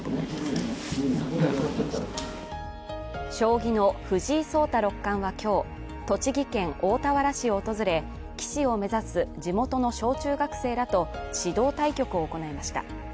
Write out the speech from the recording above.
将棋の藤井聡太六冠は今日、栃木県大田原市を訪れ、棋士を目指す地元の小中学生らと指導対局を行いました。